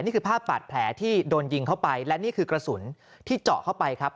นี่คือภาพบาดแผลที่โดนยิงเข้าไปและนี่คือกระสุนที่เจาะเข้าไปครับ